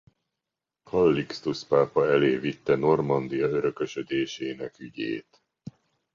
Kallixtusz pápa elé vitte Normandia örökösödésének ügyét.